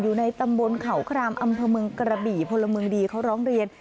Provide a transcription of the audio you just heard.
อยู่ในตำบลเขาครามอำเภอเมืองกระบี่พลเมืองดีเขาร้องเรียน